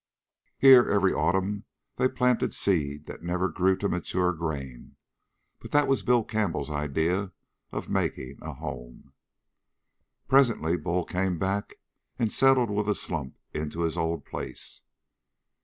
Here, every autumn, they planted seed that never grew to mature grain. But that was Bill Campbell's idea of making a home. Presently Bull came back and settled with a slump into his old place.